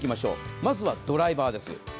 まずはドライバーです。